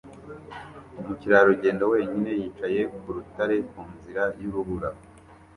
Umukerarugendo wenyine yicaye ku rutare ku nzira y'urubura